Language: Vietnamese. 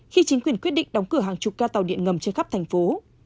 khi chính quyền quyết định đóng cửa hàng chục ca tàu điện ngầm trên khắp thành phố